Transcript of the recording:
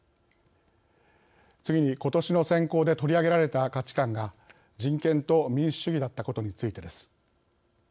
次に今年の選考で取り上げられた価値観が「人権と民主主義」だったことについてです。